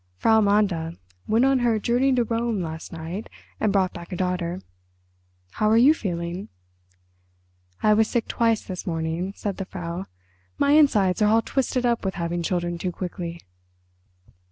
"Frau Manda went on her 'journey to Rome' last night, and brought back a daughter. How are you feeling?" "I was sick twice this morning," said the Frau. "My insides are all twisted up with having children too quickly."